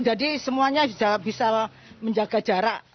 jadi semuanya sudah bisa menjaga jarak